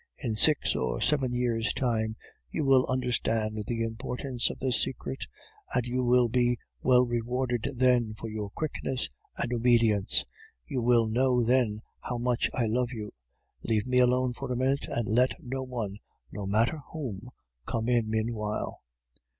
In six or seven years' time you will understand the importance of this secret, and you will be well rewarded then for your quickness and obedience, you will know then how much I love you. Leave me alone for a minute, and let no one no matter whom come in meanwhile.